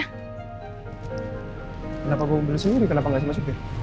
kenapa gue ngomong sendiri kenapa gak bisa masuk ya